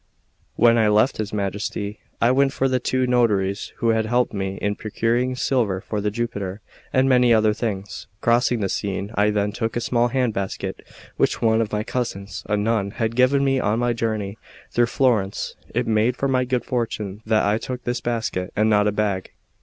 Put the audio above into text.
When I left his Majesty, I went for the two notaries who had helped me in procuring silver for the Jupiter and many other things. Crossing the Seine, I then took a small hand basket, which one of my cousins, a nun, had given me on my journey through Florence. It made for my good fortune that I took this basket and not a bag.